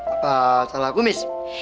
apa salah aku miss